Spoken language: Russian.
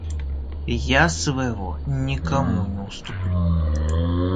Я своего никому не уступлю.